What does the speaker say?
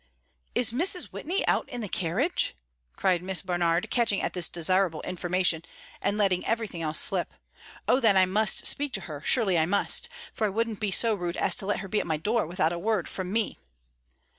"Is Mrs. Whitney out in the carriage?" cried Miss Barnard, catching at this desirable information and letting everything else slip. "Oh, then, I must speak to her; surely I must, for I wouldn't be so rude as to let her be at my door without a word from me.